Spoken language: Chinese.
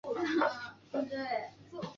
玩家驾驶着汽车在不同的国家行驶。